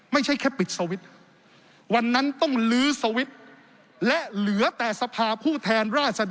ไม่ใช่แค่ปิดสวิทธิ์วันนั้นต้องลื้อสวิทธิ์